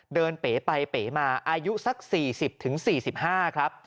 เดินเป๋ไปเป๋มาอายุสัก๔๐ถึง๔๕ครับ